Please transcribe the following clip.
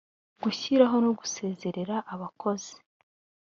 gushyiraho no gusezerera abakozi